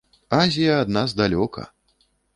Азія ад нас далёка!